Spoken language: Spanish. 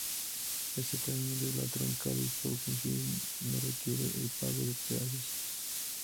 Este tramo de la troncal, por consiguiente, no requiere el pago de peajes.